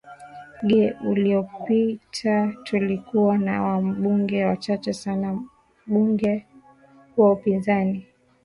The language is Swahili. ge liliopita tulikuwa na wambunge wachache sana bugeni wa upinzani